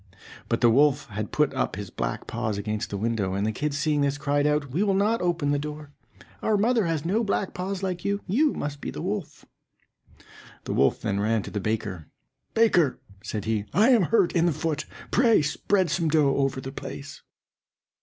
But the wolf had put up his black paws against the window, and the kids seeing this, cried out, "We will not open the door; our mother has no black paws like you; you must be the wolf." The wolf then ran to a baker. "Baker," said he, "I am hurt in the foot; pray spread some dough over the place."